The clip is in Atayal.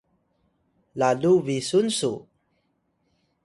lalu bisun su?